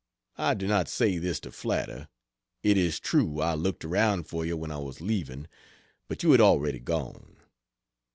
I do not say this to flatter. It is true I looked around for you when I was leaving, but you had already gone.